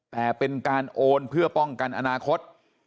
แต่เป็นการโอนเพื่อป้องกันอนาคต